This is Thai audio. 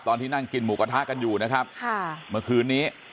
ตอนที่นั่งกินหมูกระทะกันอยู่นะครับค่ะเมื่อคืนนี้